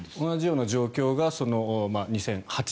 同じような状況が２００８年